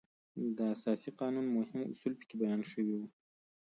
د اساسي قانون مهم اصول په کې بیان شوي وو.